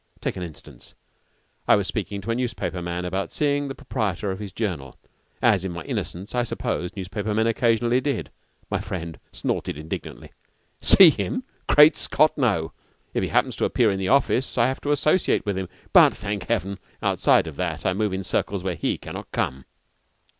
Take an instance. I was speaking to a newspaper man about seeing the proprietor of his journal, as in my innocence I supposed newspaper men occasionally did. My friend snorted indignantly: "See him! Great Scott! No. If he happens to appear in the office, I have to associate with him; but, thank Heaven! outside of that I move in circles where he cannot come."